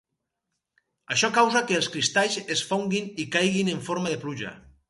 Això causa que els cristalls es fonguin i caiguin en forma de pluja.